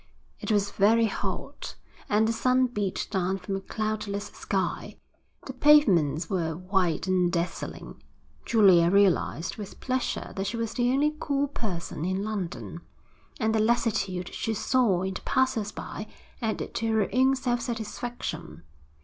It was very hot, and the sun beat down from a cloudless sky. The pavements were white and dazzling. Julia realised with pleasure that she was the only cool person in London, and the lassitude she saw in the passers by added to her own self satisfaction.